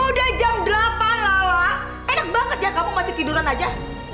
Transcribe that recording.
udah jam delapan lala enak banget ya kamu masih tiduran aja